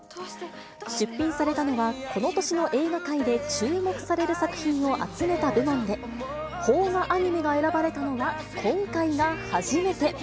出品されたのは、この年の映画界で注目される作品を集めた部門で、邦画アニメが選ばれたのは今回が初めて。